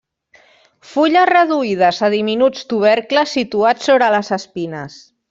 Fulles reduïdes a diminuts tubercles situats sobre les espines.